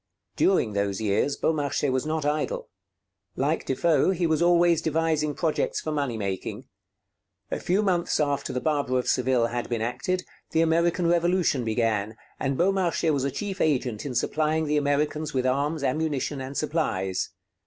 During those years Beaumarchais was not idle. Like Defoe, he was always devising projects for money making. A few months after 'The Barber of Seville' had been acted, the American Revolution began, and Beaumarchais was a chief agent in supplying the Americans with arms, ammunition, and supplies.